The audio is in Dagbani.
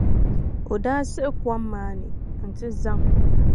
O daa siɣi kom maa ni nti zaŋ.